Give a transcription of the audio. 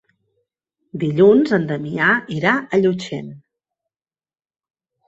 Dilluns en Damià irà a Llutxent.